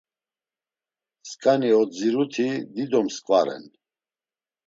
Skani odziruti dido mskva ren.